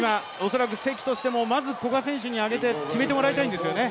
恐らく、関としても、まず古賀選手に上げて決めてもらいたいんですよね。